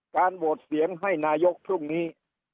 โหวตเสียงให้นายกพรุ่งนี้